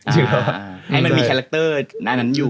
จะให้มันมีคาแร็กเตอร์หนังนั้นอยู่